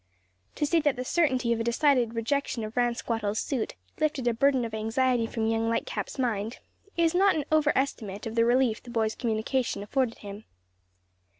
To say that the certainty of a decided rejection of Ransquattle's suit lifted a burden of anxiety from young Lightcap's mind, is not an over estimate of the relief the boy's communication afforded him.